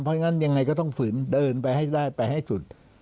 เพราะฉะนั้นยังไงก็ต้องฝืนเดินไปให้ได้ไปให้สุด